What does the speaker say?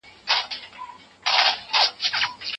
زه باید نن شپه وختي بېدېدلی وم.